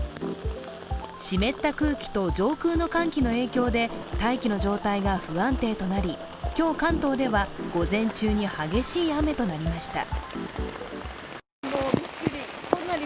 湿った空気と上空の寒気の影響で大気の状態が不安定となり、今日関東では午前中に激しい雨となりました。